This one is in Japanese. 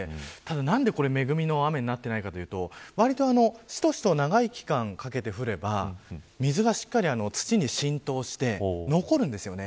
何で恵みの雨になっていないかというとわりと、しとしと長い期間かけて降れば水がしっかり土に浸透して残るんですよね。